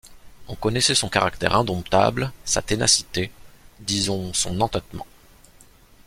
On connaissait son caractère indomptable, sa ténacité, disons son entêtement.